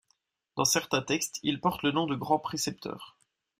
Dans certains textes, il porte le nom de grand précepteur.